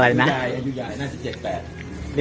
ตาว